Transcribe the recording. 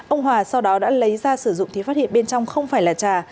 ông hòa sau đó đã lấy ra sử dụng thì phát hiện bên trong không phải là trà